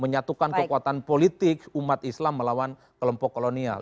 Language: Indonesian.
menyatukan kekuatan politik umat islam melawan kelompok kolonial